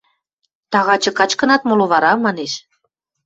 – Тагачы качкынат моло вара? – манеш.